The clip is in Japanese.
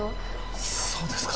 そうですか。